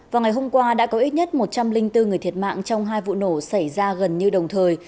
vào ngày hôm qua đã có ít nhất một trăm linh bốn người thiệt mạng trong hai vụ nổ xảy ra gần như đồng thời